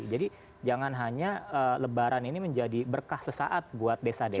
jadi jangan hanya lebaran ini menjadi berkah sesaat buat desa desa